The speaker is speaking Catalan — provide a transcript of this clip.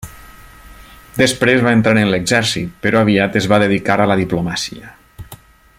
Després va entrar en l'exèrcit, però aviat es va dedicar a la diplomàcia.